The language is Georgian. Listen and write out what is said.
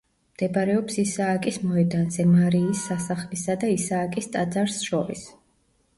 მდებარეობს ისააკის მოედანზე, მარიის სასახლისა და ისააკის ტაძარს შორის.